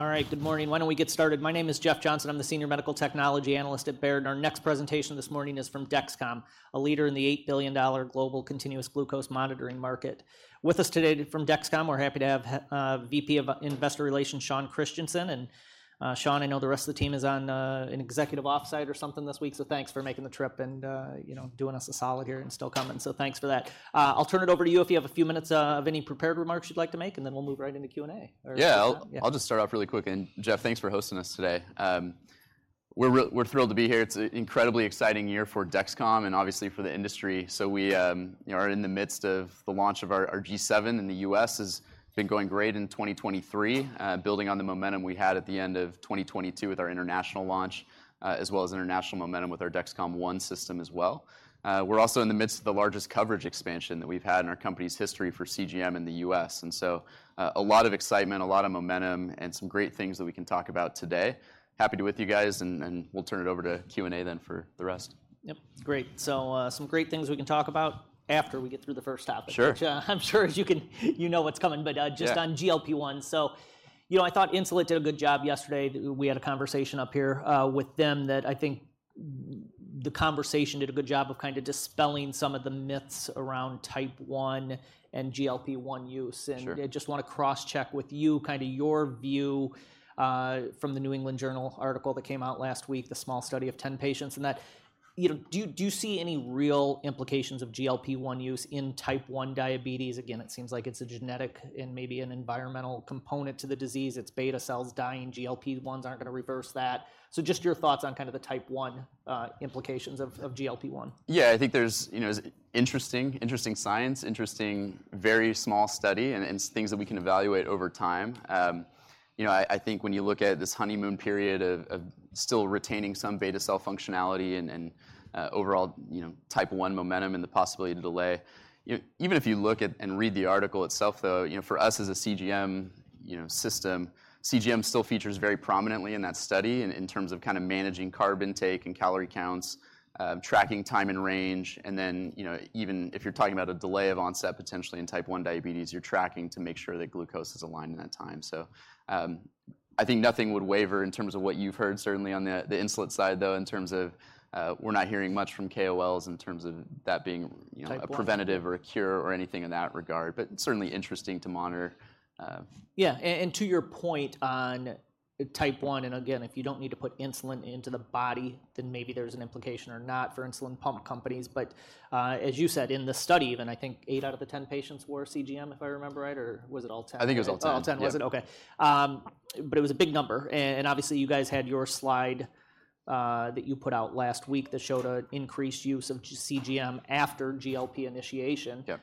All right, good morning. Why don't we get started? My name is Jeff Johnson. I'm the senior medical technology analyst at Baird. Our next presentation this morning is from Dexcom, a leader in the $8 billion global continuous glucose monitoring market. With us today from Dexcom, we're happy to have VP of Investor Relations, Sean Christensen, and, Sean, I know the rest of the team is on an executive offsite or something this week, so thanks for making the trip and, you know, doing us a solid here and still coming. So thanks for that. I'll turn it over to you if you have a few minutes of any prepared remarks you'd like to make, and then we'll move right into Q&A. Or- Yeah- Yeah. I'll just start off really quick, and Jeff, thanks for hosting us today. We're thrilled to be here. It's an incredibly exciting year for Dexcom and obviously for the industry. So we, you know, are in the midst of the launch of our G7 in the U.S. It's been going great in 2023, building on the momentum we had at the end of 2022 with our international launch, as well as international momentum with our Dexcom ONE system as well. We're also in the midst of the largest coverage expansion that we've had in our company's history for CGM in the U.S., and so, a lot of excitement, a lot of momentum, and some great things that we can talk about today. Happy to be with you guys, and we'll turn it over to Q&A then for the rest. Yep, great. So, some great things we can talk about after we get through the first topic. Sure. Which, I'm sure as you can... You know what's coming, but, Yeah... just on GLP-1. So, you know, I thought Insulet did a good job yesterday. We had a conversation up here, with them that I think the conversation did a good job of kind of dispelling some of the myths around Type 1 and GLP-1 use. Sure. I just want to cross-check with you, kind of your view, from the New England Journal article that came out last week, the small study of 10 patients, and that... You know, do you see any real implications of GLP-1 use in Type 1 diabetes? Again, it seems like it's a genetic and maybe an environmental component to the disease. It's beta cells dying, GLP-1s aren't going to reverse that. So just your thoughts on kind of the Type 1 implications of GLP-1. Yeah, I think there's, you know, interesting, interesting science, interesting, very small study and, and things that we can evaluate over time. You know, I think when you look at this honeymoon period of still retaining some beta cell functionality and overall, you know, Type 1 momentum and the possibility to delay. Even if you look at and read the article itself, though, you know, for us as a CGM, you know, system, CGM still features very prominently in that study and in terms of kind of managing carb intake and calorie counts, tracking time and range, and then, you know, even if you're talking about a delay of onset, potentially in Type 1 diabetes, you're tracking to make sure that glucose is aligned in that time. So, I think nothing would waver in terms of what you've heard, certainly on the Insulet side, though, in terms of we're not hearing much from KOLs in terms of that being, you know- Type 1... a preventative or a cure or anything in that regard, but certainly interesting to monitor. Yeah. And to your point on Type 1, and again, if you don't need to put insulin into the body, then maybe there's an implication or not for insulin pump companies. But, as you said, in the study, even, I think eight out of the 10 patients were CGM, if I remember right, or was it all 10? I think it was all 10. All ten. Yeah. Okay. But it was a big number, and obviously, you guys had your slide that you put out last week that showed an increased use of CGM after GLP initiation. Yeah.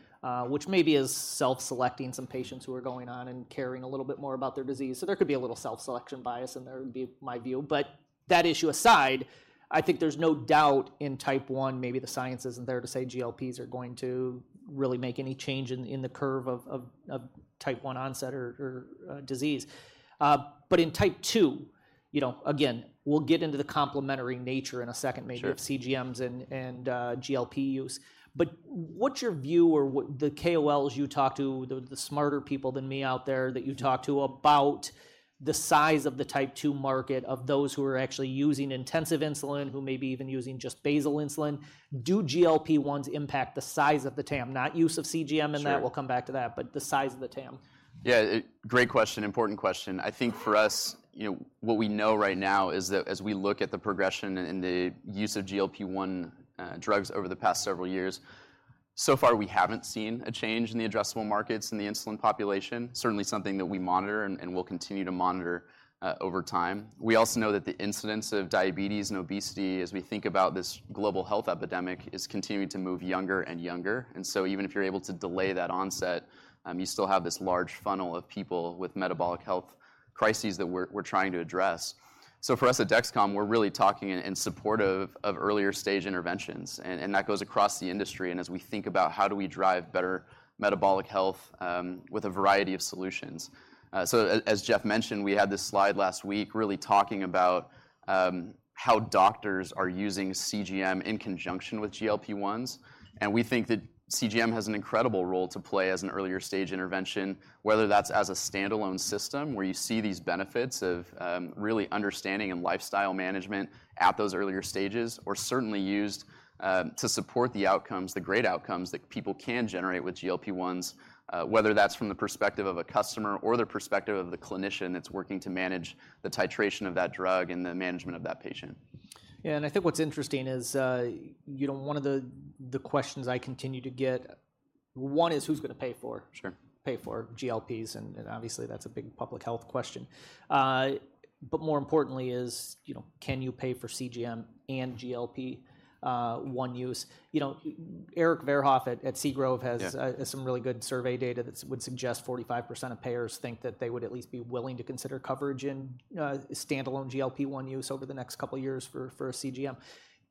which maybe is self-selecting some patients who are going on and caring a little bit more about their disease. So there could be a little self-selection bias in there, would be my view. But that issue aside, I think there's no doubt in Type 1, maybe the science isn't there to say GLPs are going to really make any change in the curve of Type 1 onset or disease. But in Type 2, you know, again, we'll get into the complementary nature in a second- Sure... maybe of CGMs and GLP use. But what's your view or the KOLs you talk to, the smarter people than me out there that you talk to about the size of the Type 2 market, of those who are actually using intensive insulin, who may be even using just basal insulin, do GLP-1s impact the size of the TAM? Not use of CGM, and that- Sure... we'll come back to that, but the size of the TAM. Yeah, great question, important question. I think for us, you know, what we know right now is that as we look at the progression and the use of GLP-1 drugs over the past several years, so far we haven't seen a change in the addressable markets in the insulin population. Certainly something that we monitor and will continue to monitor over time. We also know that the incidence of diabetes and obesity, as we think about this global health epidemic, is continuing to move younger and younger. And so even if you're able to delay that onset, you still have this large funnel of people with metabolic health crises that we're trying to address. So for us at Dexcom, we're really talking in support of earlier stage interventions, and that goes across the industry, and as we think about how do we drive better metabolic health with a variety of solutions. So as Jeff mentioned, we had this slide last week really talking about how doctors are using CGM in conjunction with GLP-1s, and we think that CGM has an incredible role to play as an earlier stage intervention, whether that's as a standalone system, where you see these benefits of really understanding and lifestyle management at those earlier stages, or certainly used to support the outcomes, the great outcomes that people can generate with GLP-1s, whether that's from the perspective of a customer or the perspective of the clinician that's working to manage the titration of that drug and the management of that patient. Yeah, and I think what's interesting is, you know, one of the questions I continue to get, one, is who's going to pay for- Sure... pay for GLPs? And obviously, that's a big public health question. But more importantly is, you know, can you pay for CGM and GLP-1 use? You know, Erik Verhoef at Seagrove has- Yeah. has some really good survey data that would suggest 45% of payers think that they would at least be willing to consider coverage in standalone GLP-1 use over the next couple of years for, for a CGM.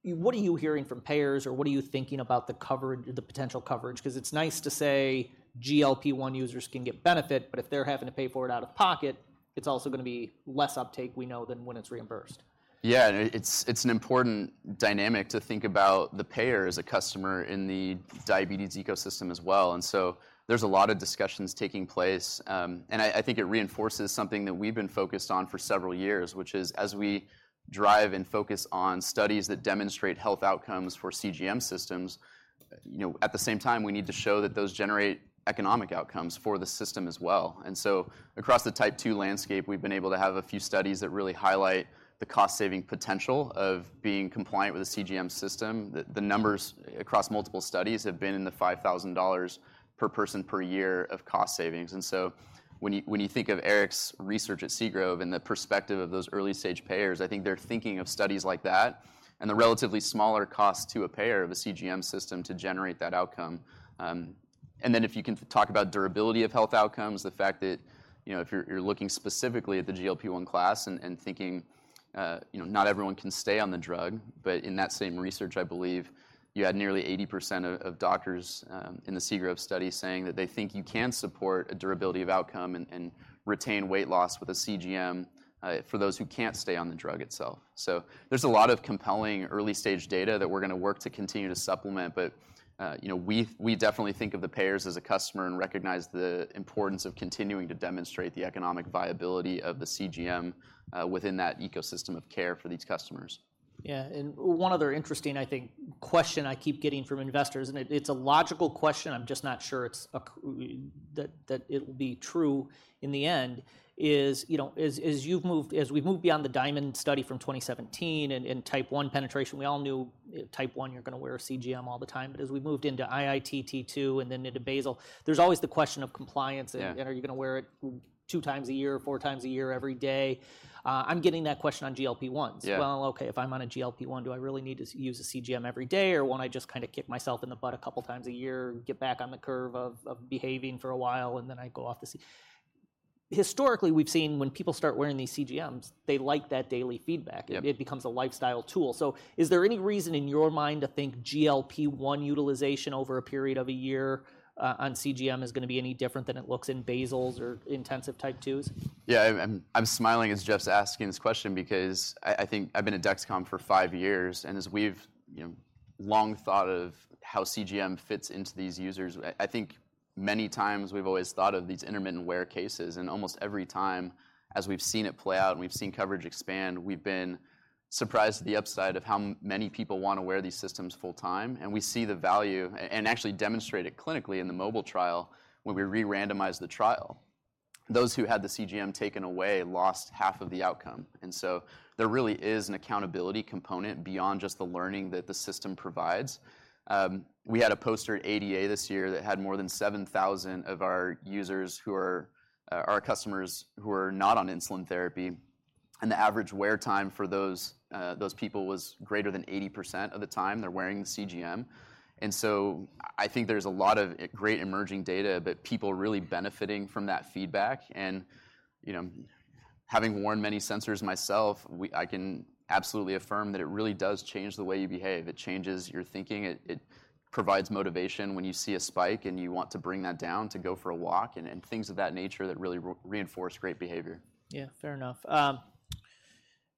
What are you hearing from payers, or what are you thinking about the coverage, the potential coverage? Because it's nice to say GLP-1 users can get benefit, but if they're having to pay for it out of pocket, it's also gonna be less uptake, we know, than when it's reimbursed. Yeah, and it, it's, it's an important dynamic to think about the payer as a customer in the diabetes ecosystem as well, and so there's a lot of discussions taking place. And I think it reinforces something that we've been focused on for several years, which is, as we drive and focus on studies that demonstrate health outcomes for CGM systems, you know, at the same time, we need to show that those generate economic outcomes for the system as well. And so across the Type 2 landscape, we've been able to have a few studies that really highlight the cost-saving potential of being compliant with a CGM system. The numbers across multiple studies have been in the $5,000 per person per year of cost savings. So when you think of Erik's research at Seagrove and the perspective of those early-stage payers, I think they're thinking of studies like that and the relatively smaller cost to a payer of a CGM system to generate that outcome. And then if you can talk about durability of health outcomes, the fact that, you know, if you're looking specifically at the GLP-1 class and thinking, you know, not everyone can stay on the drug. But in that same research, I believe you had nearly 80% of doctors in the Seagrove study saying that they think you can support a durability of outcome and retain weight loss with a CGM for those who can't stay on the drug itself. There's a lot of compelling early-stage data that we're gonna work to continue to supplement, but you know, we definitely think of the payers as a customer and recognize the importance of continuing to demonstrate the economic viability of the CGM within that ecosystem of care for these customers. Yeah, and one other interesting, I think, question I keep getting from investors, and it, it's a logical question. I'm just not sure it's a—that it will be true in the end, is, you know, as we've moved beyond the DiaMonD study from 2017 and Type 1 penetration, we all knew Type 1, you're gonna wear a CGM all the time. But as we moved into IIT2 and then into basal, there's always the question of compliance- Yeah. Are you gonna wear it 2x a year, 4x a year, every day? I'm getting that question on GLP-1s. Yeah. Well, okay, if I'm on a GLP-1, do I really need to use a CGM every day, or when I just kinda kick myself in the butt a couple of times a year, get back on the curve of, of behaving for a while, and then I go off to se... Historically, we've seen when people start wearing these CGMs, they like that daily feedback. Yeah. It becomes a lifestyle tool. So is there any reason in your mind to think GLP-1 utilization over a period of a year, on CGM is gonna be any different than it looks in basals or intensive Type 2s? Yeah, I'm smiling as Jeff's asking this question because I think I've been at Dexcom for five years, and as we've, you know, long thought of how CGM fits into these users, I think many times we've always thought of these intermittent wear cases. Almost every time, as we've seen it play out and we've seen coverage expand, we've been surprised at the upside of how many people want to wear these systems full time. We see the value and actually demonstrate it clinically in the MOBILE trial, when we re-randomize the trial. Those who had the CGM taken away lost half of the outcome, and so there really is an accountability component beyond just the learning that the system provides. We had a poster at ADA this year that had more than 7,000 of our users who are or customers who are not on insulin therapy, and the average wear time for those those people was greater than 80% of the time they're wearing the CGM. And so I think there's a lot of great emerging data, but people are really benefiting from that feedback and, you know, having worn many sensors myself, I can absolutely affirm that it really does change the way you behave. It changes your thinking, it provides motivation when you see a spike, and you want to bring that down to go for a walk and things of that nature that really reinforce great behavior. Yeah, fair enough.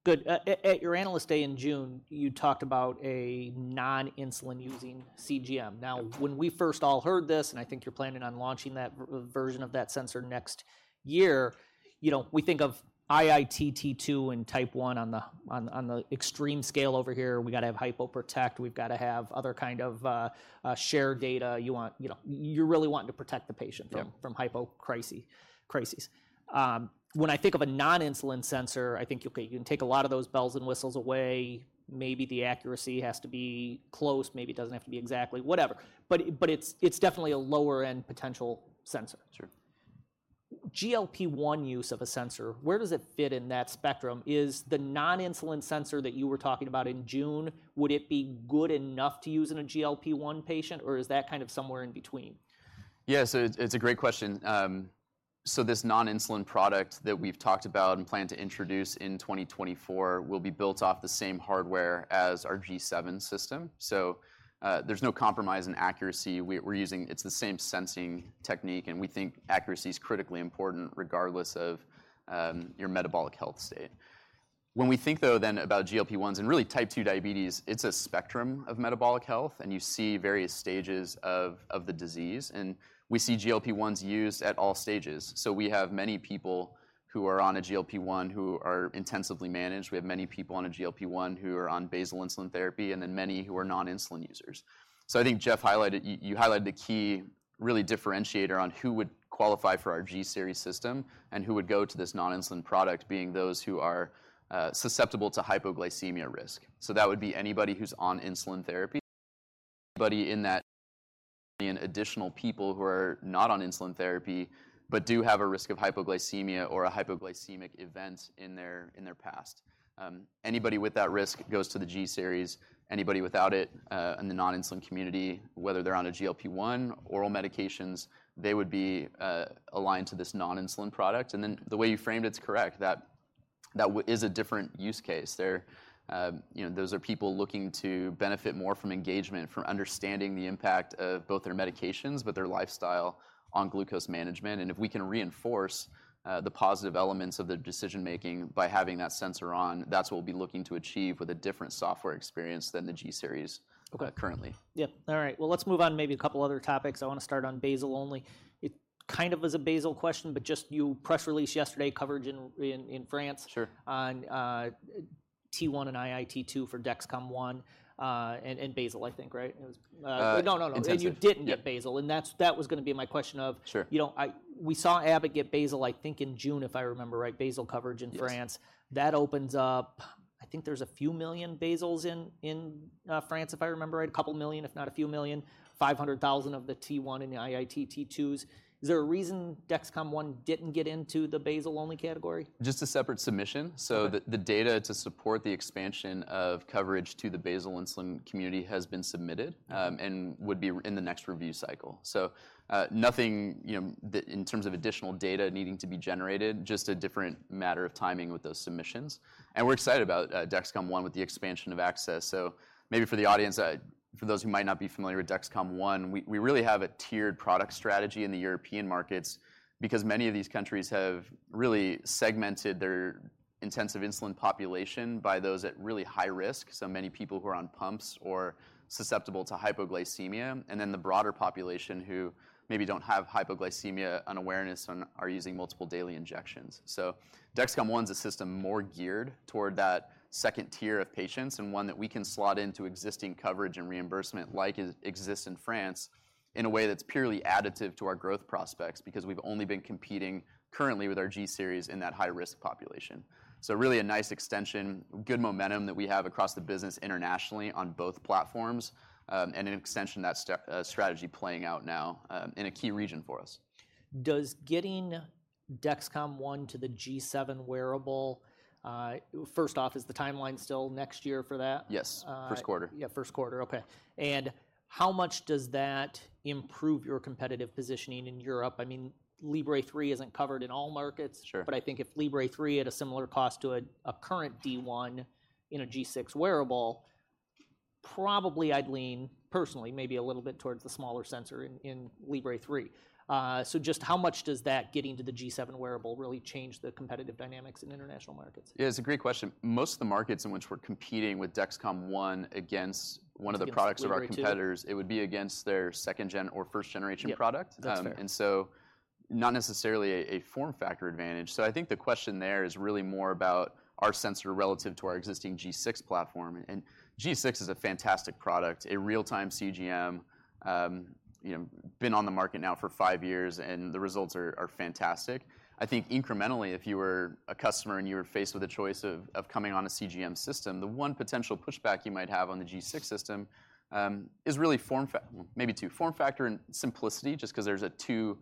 Good. At your Analyst Day in June, you talked about a non-insulin-using CGM. Now, when we first all heard this, and I think you're planning on launching that version of that sensor next year, you know, we think of IIT2 and Type 1 on the extreme scale over here. We've got to have Hypo Protect, we've got to have other kind of share data. You want... You know, you really want to protect the patient- Yeah. from hypo crises. When I think of a non-insulin sensor, I think, okay, you can take a lot of those bells and whistles away. Maybe the accuracy has to be close, maybe it doesn't have to be exactly, whatever. But it's definitely a lower-end potential sensor. Sure. GLP-1 use of a sensor, where does it fit in that spectrum? Is the non-insulin sensor that you were talking about in June, would it be good enough to use in a GLP-1 patient, or is that kind of somewhere in between? Yeah, so it's a great question. So this non-insulin product that we've talked about and plan to introduce in 2024 will be built off the same hardware as our G7 system. So, there's no compromise in accuracy. We're using the same sensing technique, and we think accuracy is critically important regardless of your metabolic health state. When we think, though, then about GLP-1s and really Type 2 diabetes, it's a spectrum of metabolic health, and you see various stages of the disease, and we see GLP-1s used at all stages. So we have many people who are on a GLP-1 who are intensively managed. We have many people on a GLP-1 who are on basal insulin therapy, and then many who are non-insulin users. So I think, Jeff highlighted... You highlighted the key really differentiator on who would qualify for our G-series system and who would go to this non-insulin product being those who are susceptible to hypoglycemia risk. So that would be anybody who's on insulin therapy, anybody in that, and additional people who are not on insulin therapy, but do have a risk of hypoglycemia or a hypoglycemic event in their past. Anybody with that risk goes to the G-series. Anybody without it in the non-insulin community, whether they're on a GLP-1, oral medications, they would be aligned to this non-insulin product. And then the way you framed it is correct, that is a different use case. There, you know, those are people looking to benefit more from engagement, from understanding the impact of both their medications, but their lifestyle on glucose management. If we can reinforce the positive elements of the decision-making by having that sensor on, that's what we'll be looking to achieve with a different software experience than the G Series. Okay. -currently. Yeah. All right. Well, let's move on to maybe a couple of other topics. I want to start on basal only. It kind of was a basal question, but just your press release yesterday, coverage in France. Sure. On T1 and IIT2 for Dexcom ONE, and basal, I think, right? It was- Uh- No, no, no. Intensive. You didn't get basal, and that was gonna be my question of- Sure. You know, we saw Abbott get basal, I think, in June, if I remember, right? Basal coverage in France. Yes. That opens up, I think there's a few million basals in France, if I remember right. A couple million, if not a few million, 500,000 of the T1 and the IIT2's. Is there a reason Dexcom ONE didn't get into the basal-only category? Just a separate submission. Okay. So the data to support the expansion of coverage to the basal insulin community has been submitted, and would be in the next review cycle. So, nothing, you know, in terms of additional data needing to be generated, just a different matter of timing with those submissions. And we're excited about Dexcom ONE with the expansion of access. So maybe for the audience, for those who might not be familiar with Dexcom ONE, we really have a tiered product strategy in the European markets. Because many of these countries have really segmented their intensive insulin population by those at really high risk, so many people who are on pumps or susceptible to hypoglycemia, and then the broader population who maybe don't have hypoglycemia unawareness, and are using multiple daily injections. So Dexcom ONE's a system more geared toward that second tier of patients, and one that we can slot into existing coverage and reimbursement like exists in France, in a way that's purely additive to our growth prospects, because we've only been competing currently with our G Series in that high-risk population. So really a nice extension, good momentum that we have across the business internationally on both platforms, and an extension of that strategy playing out now, in a key region for us. Does getting Dexcom ONE to the G7 wearable, First off, is the timeline still next year for that? Yes. Uh- First quarter. Yeah, first quarter. Okay. And how much does that improve your competitive positioning in Europe? I mean, Libre 3 isn't covered in all markets. Sure. But I think if Libre 3, at a similar cost to a current D1 in a G6 wearable, probably I'd lean, personally, maybe a little bit towards the smaller sensor in Libre 3. So just how much does that, getting to the G7 wearable, really change the competitive dynamics in international markets? Yeah, it's a great question. Most of the markets in which we're competing with Dexcom ONE against one of the products- Against Libre 2... of our competitors, it would be against their second gen or first generation product. Yeah, that's fair. And so not necessarily a form factor advantage. So I think the question there is really more about our sensor relative to our existing G6 platform. And G6 is a fantastic product, a real-time CGM, you know, been on the market now for five years, and the results are fantastic. I think incrementally, if you were a customer and you were faced with the choice of coming on a CGM system, the one potential pushback you might have on the G6 system is really form factor. Well, maybe two, form factor and simplicity, just because there's a two,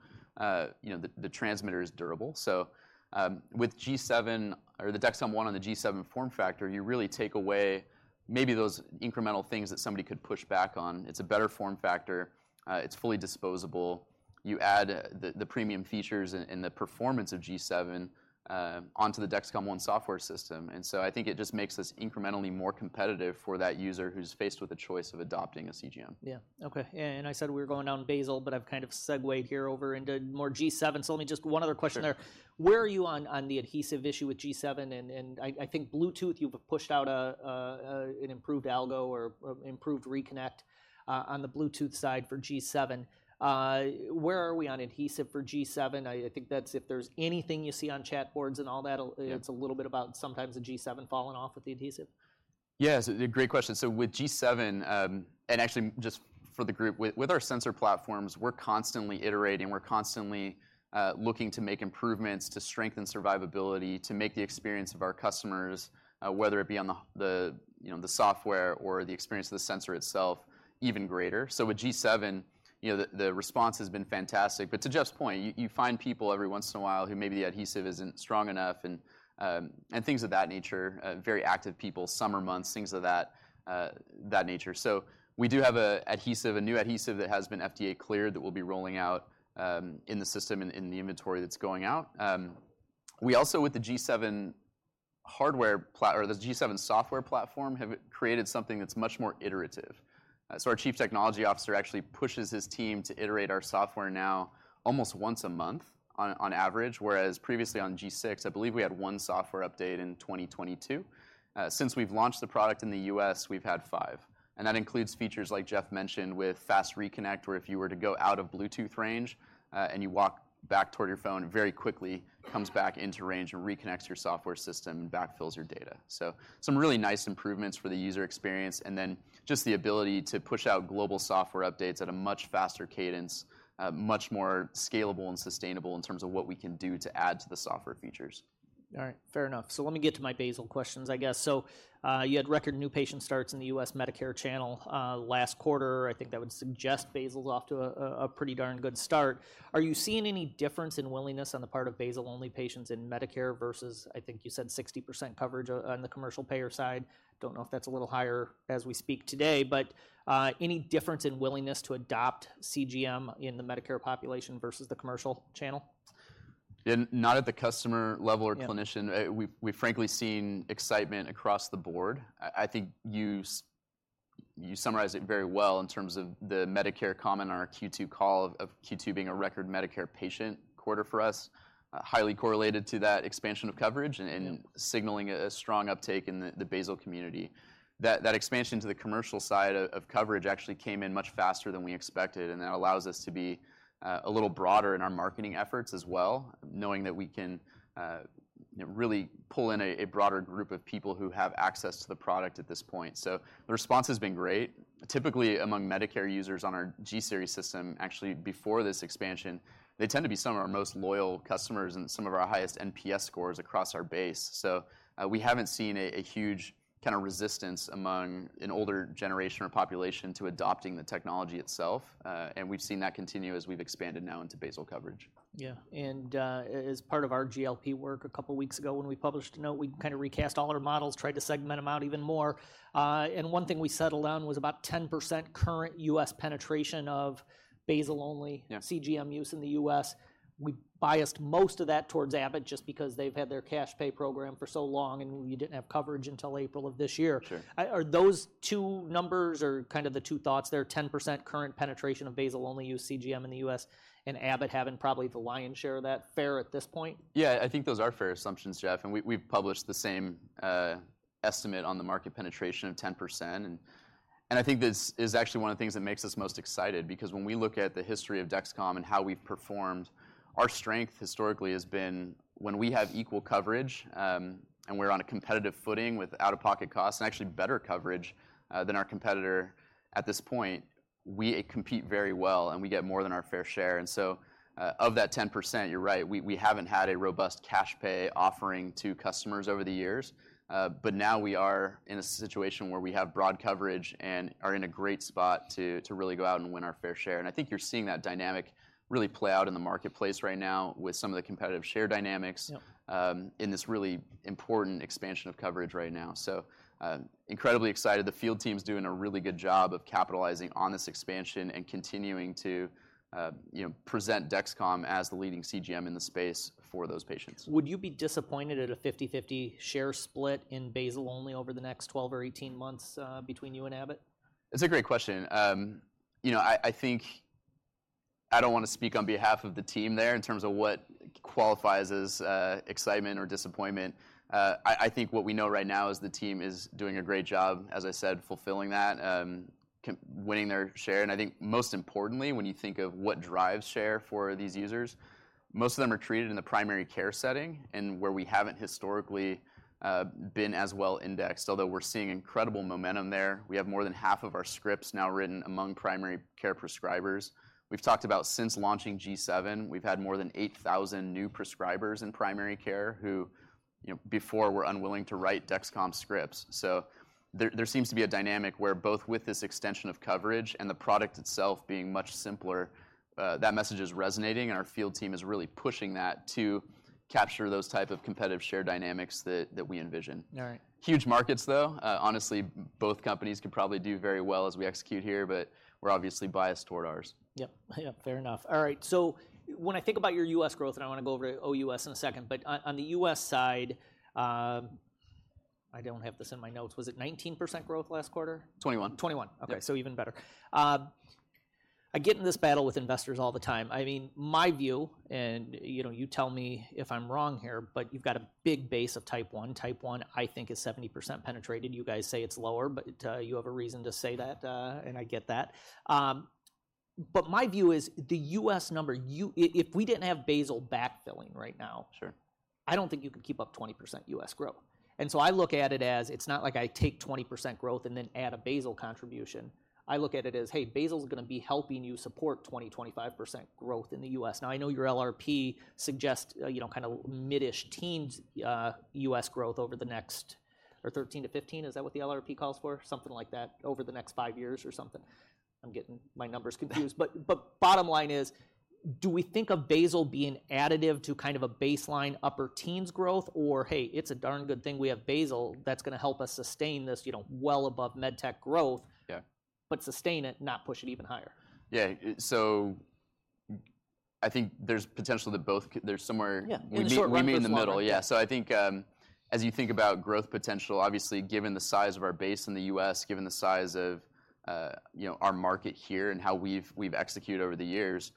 you know, the transmitter is durable. So with G7 or the Dexcom ONE on the G7 form factor, you really take away maybe those incremental things that somebody could push back on. It's a better form factor, it's fully disposable. You add the premium features and the performance of G7 onto the Dexcom ONE software system. And so I think it just makes us incrementally more competitive for that user who's faced with the choice of adopting a CGM. Yeah. Okay. Yeah, and I said we were going down basal, but I've kind of segued here over into more G7. So let me just one other question there. Sure. Where are you on the adhesive issue with G7? And I think Bluetooth, you've pushed out an improved algo or improved reconnect on the Bluetooth side for G7. Where are we on adhesive for G7? I think that's if there's anything you see on chat boards and all that- Yeah... it's a little bit about sometimes the G7 falling off with the adhesive. Yeah, it's a great question. So with G7, and actually just for the group, with our sensor platforms, we're constantly iterating. We're constantly looking to make improvements, to strengthen survivability, to make the experience of our customers, whether it be on the, the you know, the software or the experience of the sensor itself, even greater. So with G7, you know, the response has been fantastic. But to Jeff's point, you find people every once in a while who maybe the adhesive isn't strong enough and, and things of that nature, very active people, summer months, things of that, that nature. So we do have a adhesive, a new adhesive that has been FDA cleared, that we'll be rolling out, in the system and in the inventory that's going out. We also, with the G7 hardware or the G7 software platform, have created something that's much more iterative. So our chief technology officer actually pushes his team to iterate our software now almost once a month on average, whereas previously on G6, I believe we had one software update in 2022. Since we've launched the product in the U.S., we've had five, and that includes features like Jeff mentioned with Fast Reconnect, where if you were to go out of Bluetooth range, and you walk back toward your phone, very quickly comes back into range and reconnects your software system and backfills your data. So some really nice improvements for the user experience, and then just the ability to push out global software updates at a much faster cadence, much more scalable and sustainable in terms of what we can do to add to the software features. All right. Fair enough. So let me get to my basal questions, I guess. So, you had record new patient starts in the U.S. Medicare channel, last quarter. I think that would suggest basal's off to a pretty darn good start. Are you seeing any difference in willingness on the part of basal-only patients in Medicare versus, I think you said, 60% coverage on the commercial payer side? Don't know if that's a little higher as we speak today, but, any difference in willingness to adopt CGM in the Medicare population versus the commercial channel? ... and not at the customer level or clinician. Yeah. We've frankly seen excitement across the board. I think you summarized it very well in terms of the Medicare comment on our Q2 call, of Q2 being a record Medicare patient quarter for us, highly correlated to that expansion of coverage. Yeah. Signaling a strong uptake in the basal community. That expansion to the commercial side of coverage actually came in much faster than we expected, and that allows us to be a little broader in our marketing efforts as well, knowing that we can, you know, really pull in a broader group of people who have access to the product at this point. So the response has been great. Typically, among Medicare users on our G-Series system, actually, before this expansion, they tend to be some of our most loyal customers and some of our highest NPS scores across our base. So, we haven't seen a huge kind of resistance among an older generation or population to adopting the technology itself. And we've seen that continue as we've expanded now into basal coverage. Yeah. And, as part of our GLP work a couple of weeks ago, when we published a note, we kind of recast all our models, tried to segment them out even more. And one thing we settled on was about 10% current U.S. penetration of basal-only- Yeah... CGM use in the U.S. We biased most of that towards Abbott just because they've had their cash pay program for so long, and you didn't have coverage until April of this year. Sure. Are those two numbers or kind of the two thoughts there, 10% current penetration of basal-only use CGM in the U.S., and Abbott having probably the lion's share of that, fair at this point? Yeah, I think those are fair assumptions, Jeff, and we, we've published the same estimate on the market penetration of 10%. And I think this is actually one of the things that makes us most excited, because when we look at the history of Dexcom and how we've performed, our strength historically has been when we have equal coverage, and we're on a competitive footing with out-of-pocket costs, and actually better coverage than our competitor at this point, we compete very well, and we get more than our fair share. And so, of that 10%, you're right, we, we haven't had a robust cash pay offering to customers over the years, but now we are in a situation where we have broad coverage and are in a great spot to really go out and win our fair share. I think you're seeing that dynamic really play out in the marketplace right now with some of the competitive share dynamics- Yeah... in this really important expansion of coverage right now. So, incredibly excited. The field team's doing a really good job of capitalizing on this expansion and continuing to, you know, present Dexcom as the leading CGM in the space for those patients. Would you be disappointed at a 50/50 share split in basal only over the next 12 or 18 months, between you and Abbott? It's a great question. You know, I think... I don't want to speak on behalf of the team there in terms of what qualifies as excitement or disappointment. I think what we know right now is the team is doing a great job, as I said, fulfilling that, winning their share. And I think most importantly, when you think of what drives share for these users, most of them are treated in the primary care setting and where we haven't historically been as well indexed, although we're seeing incredible momentum there. We have more than half of our scripts now written among primary care prescribers. We've talked about since launching G7, we've had more than 8,000 new prescribers in primary care who, you know, before were unwilling to write Dexcom scripts. So there seems to be a dynamic where both with this extension of coverage and the product itself being much simpler, that message is resonating, and our field team is really pushing that to capture those type of competitive share dynamics that we envision. All right. Huge markets, though. Honestly, both companies could probably do very well as we execute here, but we're obviously biased toward ours. Yep, yeah, fair enough. All right, so when I think about your U.S. growth, and I want to go over O.U.S in a second, but on, on the U.S. side, I don't have this in my notes. Was it 19% growth last quarter? 21%. 21%. Yeah. Okay, so even better. I get in this battle with investors all the time. I mean, my view, and, you know, you tell me if I'm wrong here, but you've got a big base of Type 1. Type 1, I think, is 70% penetrated. You guys say it's lower, but you have a reason to say that, and I get that. But my view is the U.S. number, if we didn't have basal backfilling right now- Sure... I don't think you could keep up 20% U.S. growth. And so I look at it as, it's not like I take 20% growth and then add a basal contribution. I look at it as, hey, basal is going to be helping you support 20%-25% growth in the U.S. Now, I know your LRP suggests, you know, kind of mid-ish teens U.S. growth over the next, or 13-15, is that what the LRP calls for? Something like that, over the next 5 years or something. I'm getting my numbers confused. But bottom line is, do we think of basal being additive to kind of a baseline upper teens growth, or, hey, it's a darn good thing we have basal that's going to help us sustain this, you know, well above med tech growth- Yeah... but sustain it, not push it even higher? Yeah, so I think there's potential that both there's somewhere- Yeah, in the short run, this is longer. We meet in the middle. Yeah. So I think, as you think about growth potential, obviously, given the size of our base in the U.S., given the size of, you know, our market here and how we've executed over the years,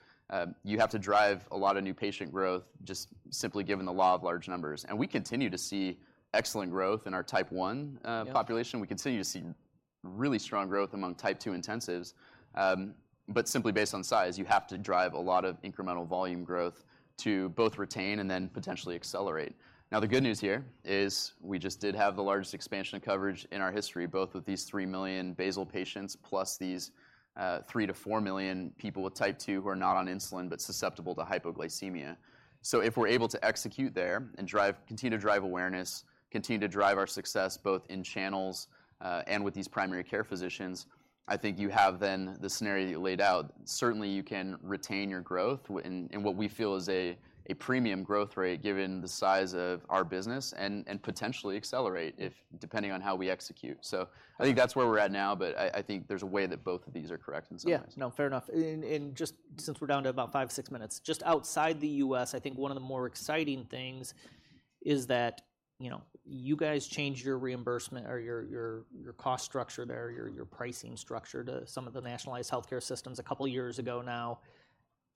you have to drive a lot of new patient growth just simply given the law of large numbers. And we continue to see excellent growth in our Type 1 population. Yeah. We continue to see really strong growth among Type 2 intensives. But simply based on size, you have to drive a lot of incremental volume growth to both retain and then potentially accelerate. Now, the good news here is we just did have the largest expansion of coverage in our history, both with these 3 million basal patients, plus these 3-4 million people with Type 2 who are not on insulin, but susceptible to hypoglycemia. So if we're able to execute there and drive, continue to drive awareness, continue to drive our success, both in channels and with these primary care physicians, I think you have then the scenario you laid out. Certainly, you can retain your growth in what we feel is a premium growth rate, given the size of our business, and potentially accelerate if... Depending on how we execute. So I think that's where we're at now, but I think there's a way that both of these are correct in some ways. Yeah. No, fair enough. And just since we're down to about 5-6 minutes, just outside the U.S., I think one of the more exciting things is that, you know, you guys changed your reimbursement or your cost structure there, your pricing structure to some of the nationalized healthcare systems a couple of years ago now.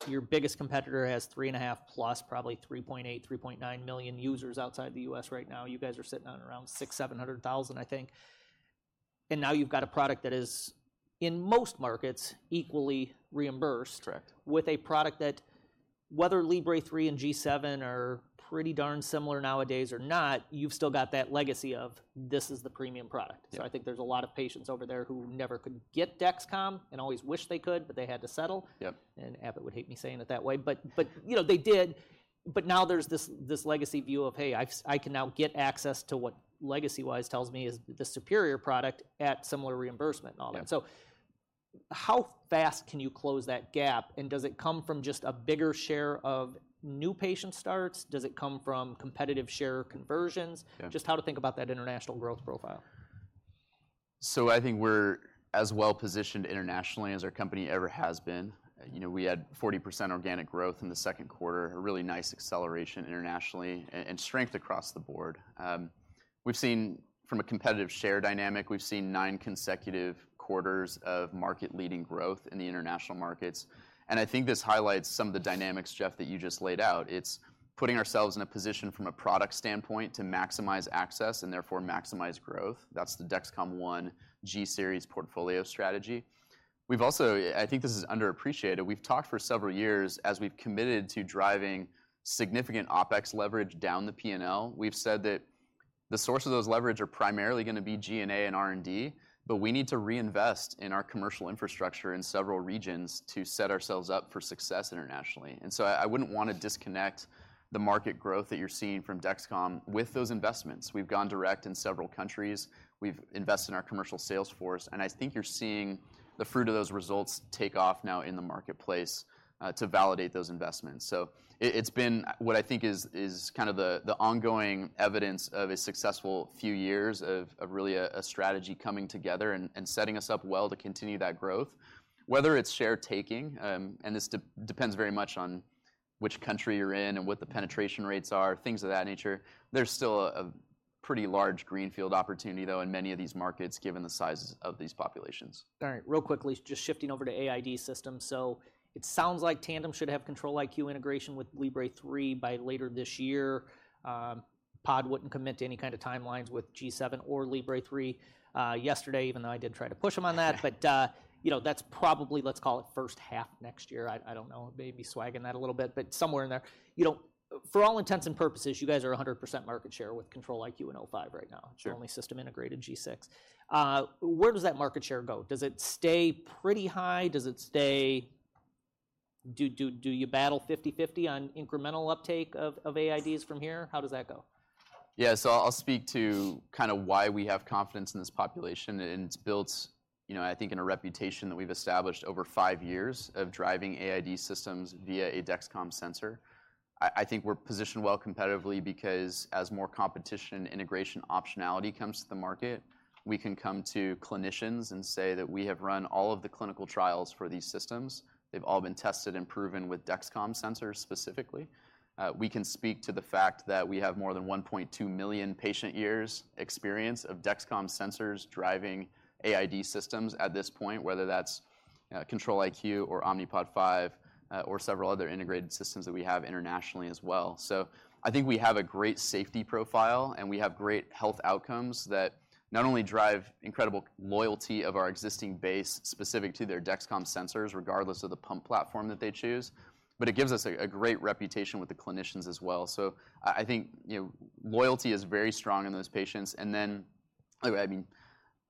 Your biggest competitor has 3.5+, probably 3.8-3.9 million users outside the U.S. right now. You guys are sitting on around 600,000-700,000, I think, and now you've got a product that is in most markets, equally reimbursed- Correct. with a product that whether Libre 3 and G7 are pretty darn similar nowadays or not, you've still got that legacy of, "This is the premium product. Yeah. I think there's a lot of patients over there who never could get Dexcom and always wished they could, but they had to settle. Yeah. Abbott would hate me saying it that way, but, you know, they did. But now there's this legacy view of, "Hey, I can now get access to what legacy-wise tells me is the superior product at similar reimbursement" and all that. Yeah. How fast can you close that gap, and does it come from just a bigger share of new patient starts? Does it come from competitive share conversions? Yeah. Just how to think about that international growth profile. So I think we're as well-positioned internationally as our company ever has been. You know, we had 40% organic growth in the second quarter, a really nice acceleration internationally, and strength across the board. We've seen, from a competitive share dynamic, we've seen nine consecutive quarters of market-leading growth in the international markets. And I think this highlights some of the dynamics, Jeff, that you just laid out. It's putting ourselves in a position from a product standpoint to maximize access, and therefore maximize growth. That's the Dexcom ONE G-series portfolio strategy. We've also. I think this is underappreciated. We've talked for several years, as we've committed to driving significant OpEx leverage down the P&L. We've said that the source of those leverage are primarily gonna be G&A and R&D, but we need to reinvest in our commercial infrastructure in several regions to set ourselves up for success internationally. And so I, I wouldn't want to disconnect the market growth that you're seeing from Dexcom with those investments. We've gone direct in several countries. We've invested in our commercial sales force, and I think you're seeing the fruit of those results take off now in the marketplace to validate those investments. So it's been what I think is kind of the ongoing evidence of a successful few years of really a strategy coming together and setting us up well to continue that growth. Whether it's share taking, and this depends very much on which country you're in and what the penetration rates are, things of that nature, there's still a pretty large greenfield opportunity, though, in many of these markets, given the sizes of these populations. All right. Real quickly, just shifting over to AID system. So it sounds like Tandem should have Control-IQ integration with Libre 3 by later this year. Pod wouldn't commit to any kind of timelines with G7 or Libre 3 yesterday, even though I did try to push him on that. But you know, that's probably, let's call it, first half next year. I don't know, maybe swagging that a little bit, but somewhere in there. You know, for all intents and purposes, you guys are 100% market share with Control-IQ and Omnipod 5 right now. Sure. The only system integrated G6. Where does that market share go? Does it stay pretty high? Does it stay... Do you battle 50/50 on incremental uptake of AIDs from here? How does that go? Yeah, so I'll speak to kind of why we have confidence in this population, and it's built, you know, I think, in a reputation that we've established over five years of driving AID systems via a Dexcom sensor. I think we're positioned well competitively because as more competition, integration, optionality comes to the market, we can come to clinicians and say that we have run all of the clinical trials for these systems. They've all been tested and proven with Dexcom sensors specifically. We can speak to the fact that we have more than 1.2 million patient years experience of Dexcom sensors driving AID systems at this point, whether that's Control-IQ or Omnipod 5 or several other integrated systems that we have internationally as well. So I think we have a great safety profile, and we have great health outcomes that not only drive incredible loyalty of our existing base specific to their Dexcom sensors, regardless of the pump platform that they choose, but it gives us a great reputation with the clinicians as well. So I think, you know, loyalty is very strong in those patients, and then, I mean,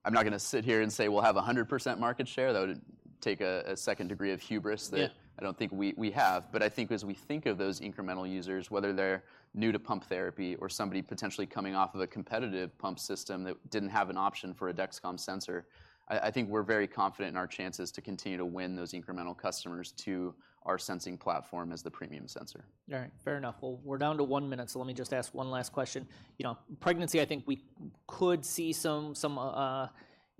I'm not gonna sit here and say we'll have 100% market share. That would take a second degree of hubris that- Yeah I don't think we, we have. But I think as we think of those incremental users, whether they're new to pump therapy or somebody potentially coming off of a competitive pump system that didn't have an option for a Dexcom sensor, I, I think we're very confident in our chances to continue to win those incremental customers to our sensing platform as the premium sensor. All right. Fair enough. Well, we're down to one minute, so let me just ask one last question. You know, pregnancy, I think we could see some,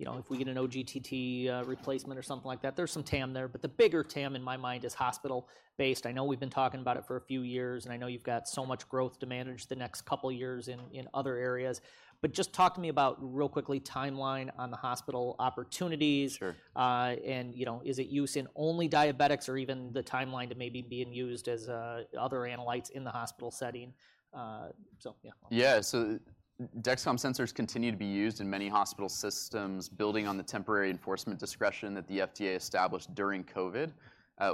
you know, if we get an OGTT replacement or something like that. There's some TAM there, but the bigger TAM in my mind is hospital-based. I know we've been talking about it for a few years, and I know you've got so much growth to manage the next couple of years in other areas. But just talk to me about, real quickly, timeline on the hospital opportunities? Sure... and, you know, is it used in only diabetics or even the timeline to maybe being used as other analytes in the hospital setting? So, yeah. Yeah. So Dexcom sensors continue to be used in many hospital systems, building on the temporary enforcement discretion that the FDA established during COVID.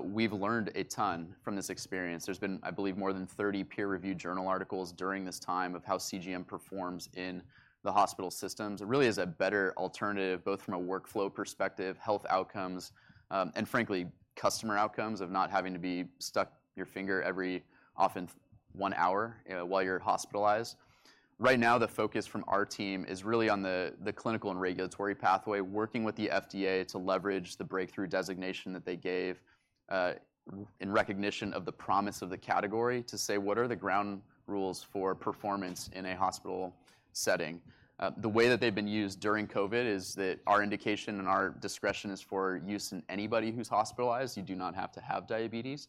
We've learned a ton from this experience. There's been, I believe, more than 30 peer-reviewed journal articles during this time of how CGM performs in the hospital systems. It really is a better alternative, both from a workflow perspective, health outcomes, and frankly, customer outcomes of not having to be stuck your finger every often one hour, while you're hospitalized. Right now, the focus from our team is really on the clinical and regulatory pathway, working with the FDA to leverage the breakthrough designation that they gave, in recognition of the promise of the category, to say: What are the ground rules for performance in a hospital setting? The way that they've been used during COVID is that our indication and our discretion is for use in anybody who's hospitalized. You do not have to have diabetes,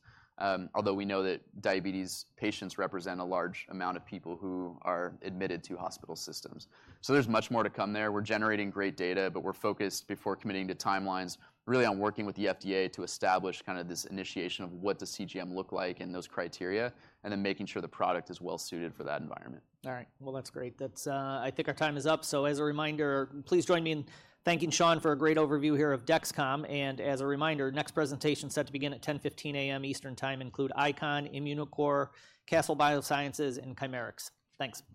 although we know that diabetes patients represent a large amount of people who are admitted to hospital systems. So there's much more to come there. We're generating great data, but we're focused, before committing to timelines, really on working with the FDA to establish kind of this initiation of what does CGM look like and those criteria, and then making sure the product is well suited for that environment. All right. Well, that's great. That's, I think our time is up. So as a reminder, please join me in thanking Sean for a great overview here of Dexcom. And as a reminder, next presentation is set to begin at 10:15 A.M. Eastern Time, include ICON, Immunocore, Castle Biosciences, and Chimerix. Thanks.